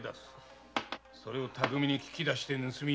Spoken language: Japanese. それを巧みに聞き出して盗みに使う。